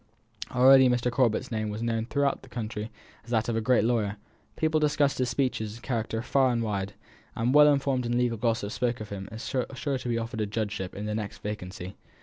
Already Mr. Corbet's name was known through the country as that of a great lawyer; people discussed his speeches and character far and wide; and the well informed in legal gossip spoke of him as sure to be offered a judgeship at the next vacancy.